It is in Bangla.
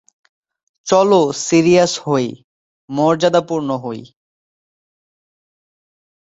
চলো সিরিয়াস হই, মর্যাদাপূর্ণ হই।